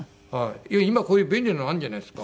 今こういう便利なのあるじゃないですか。